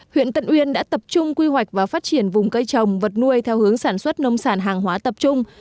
huyện tân uyên đã tập trung quy hoạch và phát triển vùng cây trồng vật nuôi theo hướng sản xuất nông sản hàng hóa tập trung